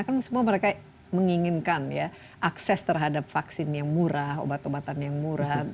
karena semua mereka menginginkan ya akses terhadap vaksin yang murah obat obatan yang murah